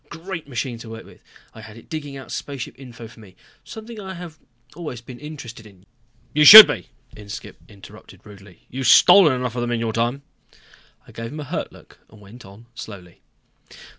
Great machine to work with. I had it digging out spaceship info for me, something I have always been interested in " "You should be," Inskipp interrupted rudely. "You've stolen enough of them in your time." I gave him a hurt look and went on slowly.